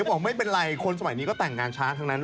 บอกไม่เป็นไรคนสมัยนี้ก็แต่งงานช้าทั้งนั้น